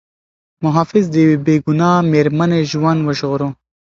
محافظ د یوې بې ګناه مېرمنې ژوند وژغوره.